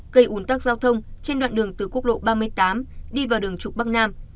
gây ủn tắc giao thông trên đoạn đường từ quốc lộ ba mươi tám đi vào đường trục bắc nam